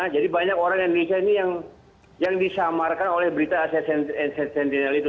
jadi banyak orang indonesia ini yang disamarkan oleh berita asia sentinel itu